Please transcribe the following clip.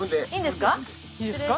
いいんですか？